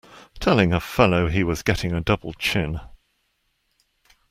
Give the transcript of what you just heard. Telling a fellow he was getting a double chin!